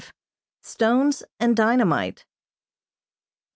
STONES AND DYNAMITE.